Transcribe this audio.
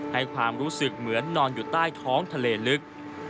ให้ความรู้สึกเหมือนนอนอยู่ใต้ท้องทะเลลึก